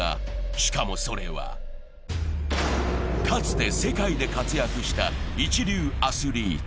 しかもそれは、かつて世界で活躍した一流アスリート。